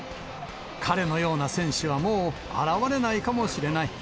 彼のような選手はもう現れないかもしれない。